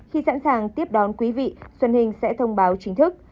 khi sẵn sàng tiếp đón quý vị xuân hình sẽ thông báo chính thức